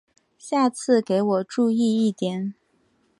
下次给我注意一点！